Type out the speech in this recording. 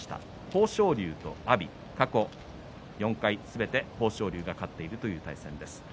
豊昇龍と阿炎過去４回すべて豊昇龍が勝っているという対戦です。